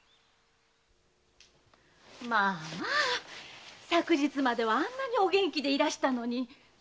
まあまあ昨日まではあんなにお元気でいらしたのに。